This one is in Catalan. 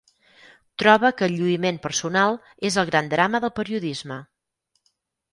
Troba que el lluïment personal és el gran drama del periodisme.